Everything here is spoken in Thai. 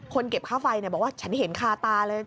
เก็บค่าไฟบอกว่าฉันเห็นคาตาเลย